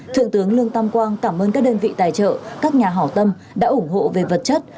thượng tướng lương tam quang cảm ơn các đơn vị tài trợ các nhà hảo tâm đã ủng hộ về vật chất